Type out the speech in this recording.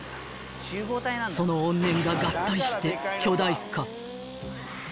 ［その怨念が合体して巨大化］